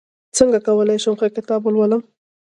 څنګه کولی شم ښه کتاب ولولم